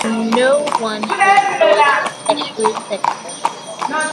No one is employed in the tertiary sector.